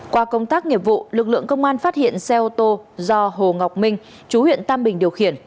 qua công tác nghiệp vụ lực lượng công an phát hiện xe ô tô do hồ ngọc minh chú huyện tam bình điều khiển